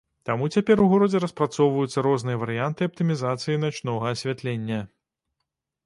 Таму цяпер у горадзе распрацоўваюцца розныя варыянты аптымізацыі начнога асвятлення.